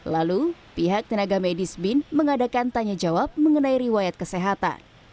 lalu pihak tenaga medis bin mengadakan tanya jawab mengenai riwayat kesehatan